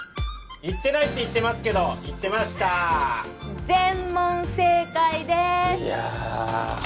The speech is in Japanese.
言ってないって言ってますけど言ってました全問正解ですいや